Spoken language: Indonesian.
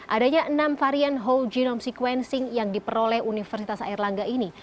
adanya enam varian whole genome sequencing yang diperoleh universitas airlangga ini